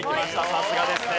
さすがですね！